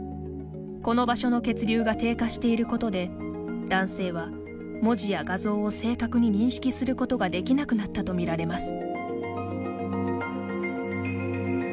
この場所の血流が低下していることで男性は、文字や画像を正確に認識することができなくなったと見られます。